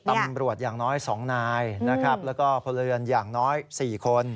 ตำรวจอย่างน้อย๒นายแล้วก็พลเรือนอย่างน้อย๔คน